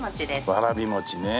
わらび餅ね。